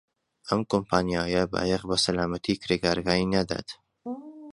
ئەم کۆمپانیایە بایەخ بە سەلامەتیی کرێکارەکانی نادات.